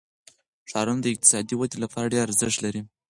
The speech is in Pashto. ښارونه د اقتصادي ودې لپاره ډېر ارزښت لري.